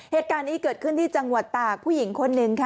เหตุการณ์นี้เกิดขึ้นที่จังหวัดตากผู้หญิงคนหนึ่งค่ะ